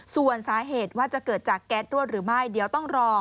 ส่วนสาเหตุว่าจะเกิดจากแก๊สรวดหรือไม่เดี๋ยวต้องรอ